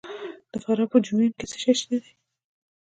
د فراه په جوین کې څه شی شته؟